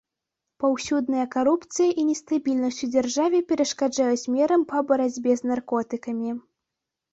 Паўсюдная карупцыя і нестабільнасць у дзяржаве перашкаджаюць мерам па барацьбе з наркотыкамі.